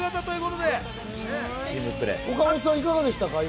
岡本さん、いかがでしたか？